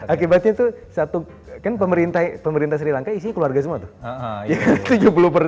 akibatnya tuh satu kan pemerintah sri lanka isinya keluarga semua tuh